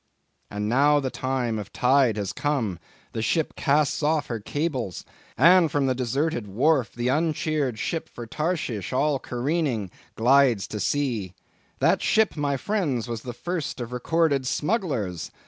"And now the time of tide has come; the ship casts off her cables; and from the deserted wharf the uncheered ship for Tarshish, all careening, glides to sea. That ship, my friends, was the first of recorded smugglers!